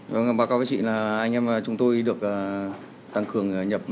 vâng báo cáo với chị là anh em chúng tôi được tăng cường nhập